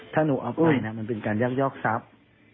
ถ้าหนูเอาอุ้ยมันเป็นการยักยอกทรัพย์